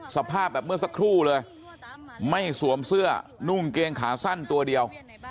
สภาพแบบเมื่อสักครู่เลยไม่สวมเสื้อนุ่งเกงขาสั้นตัวเดียว